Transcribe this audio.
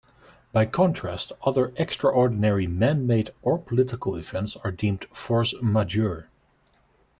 By contrast, other extraordinary man-made or political events are deemed "force majeure".